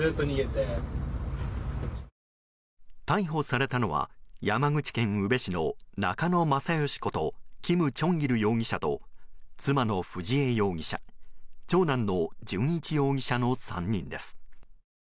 逮捕されたのは山口県宇部市の中野政吉ことキム・チョンギル容疑者と妻のふじ枝容疑者長男の純一容疑者の３人です。